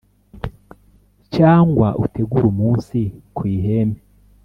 cyangwa utegure umunsi ku ihembe.